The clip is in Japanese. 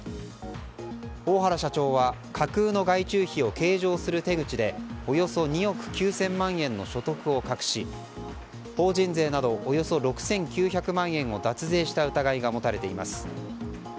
大原社長は架空の外注費を計上する手口でおよそ２憶９０００万円の所得を隠し法人税などおよそ６９００万円を脱税した疑いが持たれています。